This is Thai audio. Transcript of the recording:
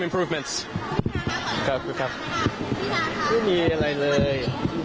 ไม่มีอะไรเลย